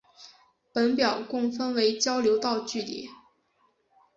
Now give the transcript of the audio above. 本表共分为交流道距离。